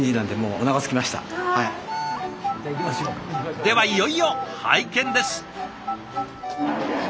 ではいよいよ拝見です。